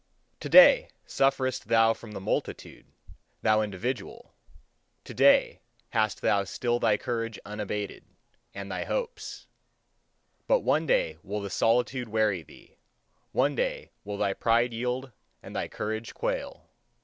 To day sufferest thou still from the multitude, thou individual; to day hast thou still thy courage unabated, and thy hopes. But one day will the solitude weary thee; one day will thy pride yield, and thy courage quail.